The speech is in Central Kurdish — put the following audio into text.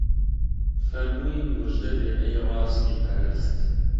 فەرمووی موژدەبێ ئەی ڕاستی پەرست